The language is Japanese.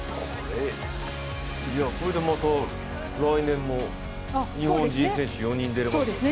これでまた来年も日本人選手４人出れますね。